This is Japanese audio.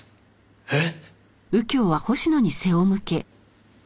えっ！？